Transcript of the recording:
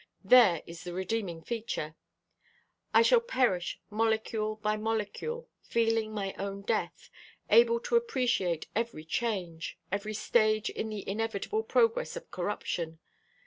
There is the redeeming feature. I shall perish molecule by molecule, feeling my own death, able to appreciate every change, every stage in the inevitable progress of corruption.